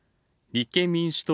立憲民主党